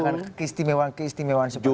jadi keistimewaan keistimewaan seperti ini